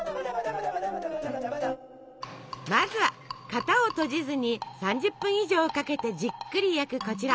まずは型を閉じずに３０分以上かけてじっくり焼くこちら！